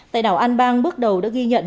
tại đảo an bang bước đầu đã ghi nhận